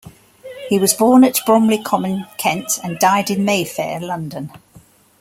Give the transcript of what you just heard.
He was born at Bromley Common, Kent and died in Mayfair, London.